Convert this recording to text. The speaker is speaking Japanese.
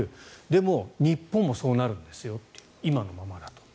でも日本もそうなるんですよと今のままだと。